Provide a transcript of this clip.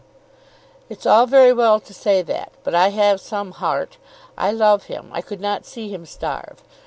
"It's all very well to say that, but I have some heart. I love him. I could not see him starve.